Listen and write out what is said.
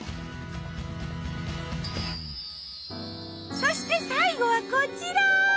そして最後はこちら！